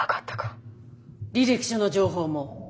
履歴書の情報も。